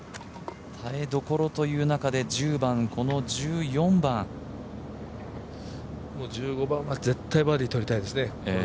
耐えどころという中で１０番この１４番、この次の１５番は絶対バーディーとりたいですね。